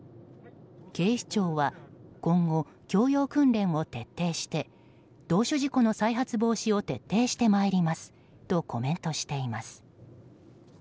警視庁は今後教養訓練を徹底して同種事故の再発防止を徹底して参りますとコメントしています。